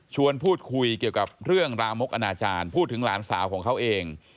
พูดคุยเกี่ยวกับเรื่องรามกอนาจารย์พูดถึงหลานสาวของเขาเอง